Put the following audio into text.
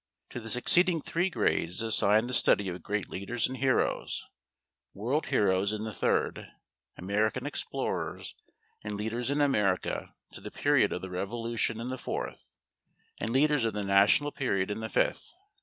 To the succeeding three grades is assigned the study of great leaders and heroes; world heroes in the third; American explorers and leaders in America to the period of the Revolution in the fourth; and leaders of the national period in the fifth.